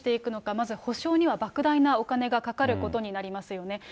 まず補償にはばく大なお金がかかることになりますよね。